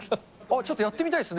ちょっとやってみたいですね。